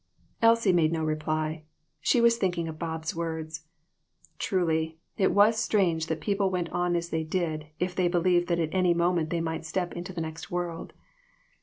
Elsie made no reply. She was thinking of Bob's words. Truly, it was strange that people went on as they did if they believed that at any moment they might step into the next world.